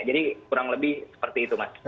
jadi kurang lebih seperti itu mas